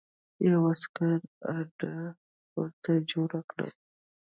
یوه عسکري اډه ورته جوړه کړه.